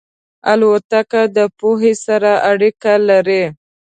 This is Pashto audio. الوتکه د پوهې سره اړیکه لري.